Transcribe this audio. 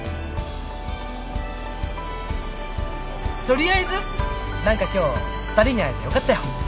取りあえず何か今日２人に会えてよかったよ。